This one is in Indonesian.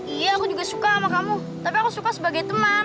iya aku juga suka sama kamu tapi aku suka sebagai teman